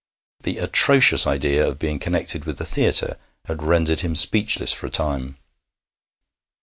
The atrocious idea of being connected with the theatre had rendered him speechless for a time.